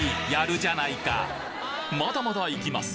まだまだ行きます！